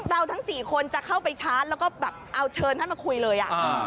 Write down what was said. เราทั้ง๔คนจะเข้าไปชาร์จแล้วก็แบบเอาเชิญท่านมาคุยเลย